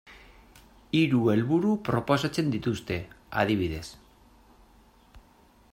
Hiru helburu proposatzen dituzte, adibidez.